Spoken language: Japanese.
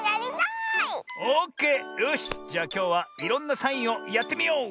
オッケーよしじゃあきょうはいろんなサインをやってみよう！